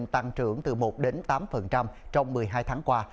tăng trưởng từ một đến tám trong một mươi hai tháng qua